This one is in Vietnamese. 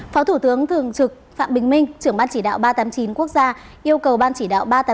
phó thủ tướng thường trực phạm bình minh trưởng ban chỉ đạo ba trăm tám mươi chín quốc gia yêu cầu ban chỉ đạo ba trăm tám mươi tám